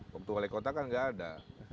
waktu wali kota kan nggak ada